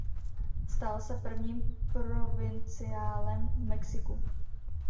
Stal se prvním provinciálem v Mexiku.